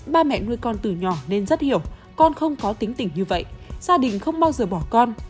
ba mẹ nuôi con từ nhỏ nên rất hiểu con không có tính tỉnh như vậy gia đình không bao giờ bỏ con